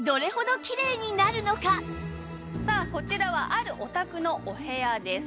さあこちらはあるお宅のお部屋です。